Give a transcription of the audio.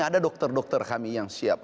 ada dokter dokter kami yang siap